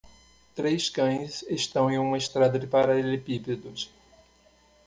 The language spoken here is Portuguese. Três cães estão em uma estrada de paralelepípedos.